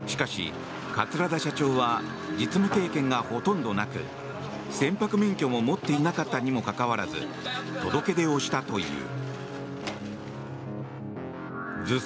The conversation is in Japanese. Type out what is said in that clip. しかし、桂田社長は実務経験がほとんどなく船舶免許も持っていなかったにもかかわらず届け出をしたという。